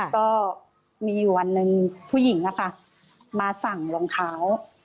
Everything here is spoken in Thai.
ก็มีอยู่วันหนึ่งผู้หญิงนะคะมาสั่งรองเท้า